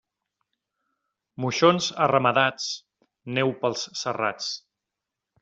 Moixons arramadats, neu pels serrats.